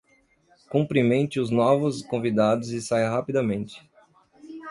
Cumprimente os novos convidados e saia rapidamente.